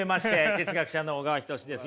哲学者の小川仁志です。